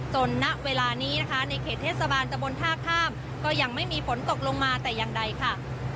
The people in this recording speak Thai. ณเวลานี้นะคะในเขตเทศบาลตะบนท่าข้ามก็ยังไม่มีฝนตกลงมาแต่อย่างใดค่ะ